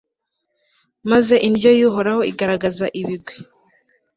maze indyo y'uhoraho igaragaza ibigwi